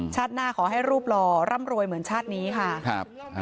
ชาติหน้าขอให้รูปหล่อร่ำโรยเหมือนชาตินี้ค่ะ